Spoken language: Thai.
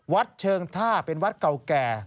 วัดเชิงท่าเป็นวัดเก่าแก่